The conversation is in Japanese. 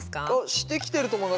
してきてると思います。